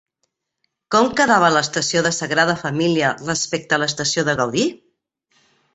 Com quedava l'estació de Sagrada Família respecte a l'estació de Gaudí?